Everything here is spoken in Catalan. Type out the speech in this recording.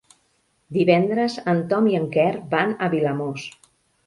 Divendres en Tom i en Quer van a Vilamòs.